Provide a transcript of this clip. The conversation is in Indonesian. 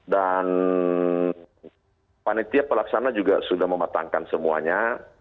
dan panitia pelaksanaan juga sudah mematangkan semuanya